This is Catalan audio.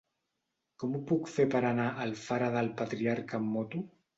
Com ho puc fer per anar a Alfara del Patriarca amb moto?